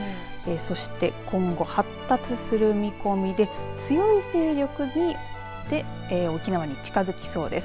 そして今後発達する見込みで強い勢力で沖縄に近づきそうです。